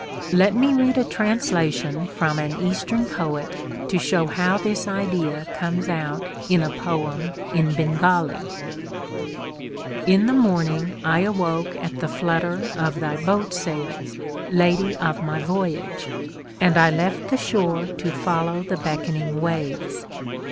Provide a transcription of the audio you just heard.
Let me read a translation from an Eastern poet to show how this idea comes out in a poem in Bengali: In the morning I awoke at the flutter of thy boat sails, Lady of my Voyage, and I left the shore to follow the beckoning waves.